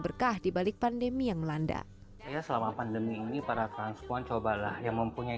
berkah dibalik pandemi yang melanda selama pernah meminta seed pada transkuancobalah yang mempunyai